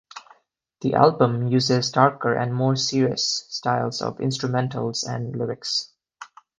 The album uses darker and more serious styles of instrumentals and lyrics.